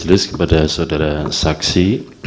terima kasih kepada saudara saksi